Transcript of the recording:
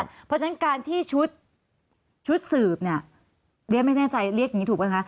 เพราะฉะนั้นการที่ชุดสืบเนี่ยเรียนไม่แน่ใจเรียกอย่างนี้ถูกไหมคะ